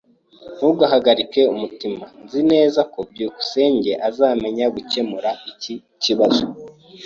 Ntugahagarike umutima. Nzi neza ko byukusenge azamenya gukemura iki kibazo.